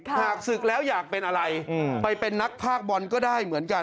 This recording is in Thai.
ศึกแล้วอยากเป็นอะไรไปเป็นนักภาคบอลก็ได้เหมือนกัน